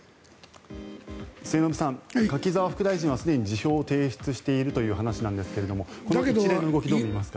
末延さん、柿沢副大臣はすでに辞表を提出しているという話なんですがこの一連の動きどう見ますか？